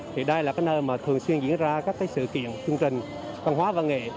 thì đây là nơi thường xuyên diễn ra các sự kiện chương trình công hóa và nghệ